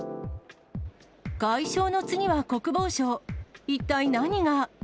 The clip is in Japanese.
外相の次は国防相、一体何が？